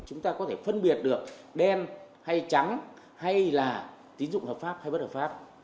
chúng ta có thể phân biệt được đen hay trắng hay là tín dụng hợp pháp hay bất hợp pháp